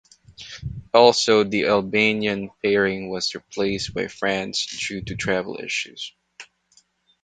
Also the Albanian pairing was replaced by France due to travel issues.